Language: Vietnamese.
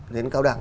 đến cao đẳng